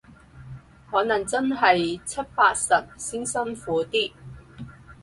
可能真係七八十先辛苦啲